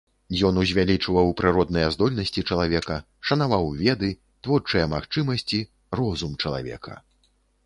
Ён узвялічваў прыродныя здольнасці чалавека, шанаваў веды, творчыя магчымасці, розум чалавека.